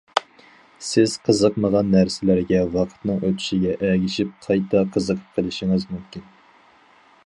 سىز قىزىقمىغان نەرسىلەرگە ۋاقىتنىڭ ئۆتۈشىگە ئەگىشىپ قايتا قىزىقىپ قېلىشىڭىز مۇمكىن.